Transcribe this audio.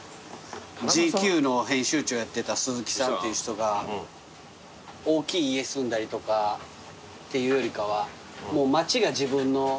『ＧＱ』の編集長やってた鈴木さんっていう人が大きい家住んだりとかっていうよりかは。